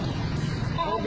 ini anggota dprd